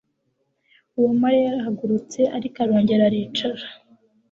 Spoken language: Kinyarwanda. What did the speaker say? Uwamariya yarahagurutse, ariko arongera aricara.